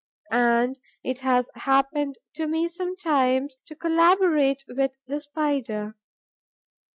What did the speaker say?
And it has happened to me sometimes to collaborate with the Spider.